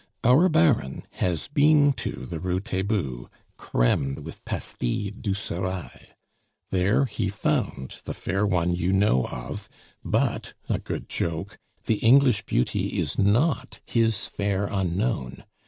Our Baron has been to the Rue Taitbout, crammed with Pastilles du Serail. There he found the fair one you know of; but a good joke! The English beauty is not his fair unknown!